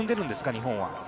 日本は。